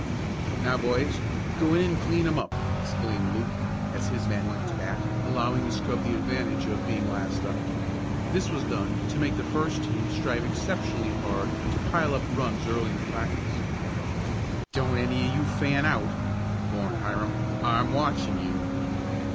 "Now boys, go in and clean 'em up!" exclaimed Luke, as his men went to bat, allowing the scrub the advantage of being last up. This was done to make the first team strive exceptionally hard to pile up runs early in the practice. "Don't any of you fan out," warned Hiram. "I'm watching you."